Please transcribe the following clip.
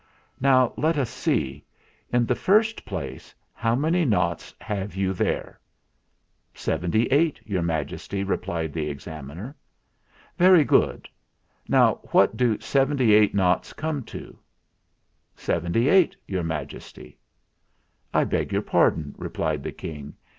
Now let us see. In the first place, how many noughts have you there ?" "Seventy eight, Your Majesty," replied the Examiner. "Very good. Now, what do seventy eight noughts come to?" "Seventy eight, Your Majesty." "I beg your pardon," replied the King.